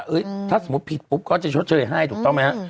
เฮ้ยถ้าสมมุติผิดปุ๊บก็จะชดเชย้อนหลังให้ถูกต้องไหม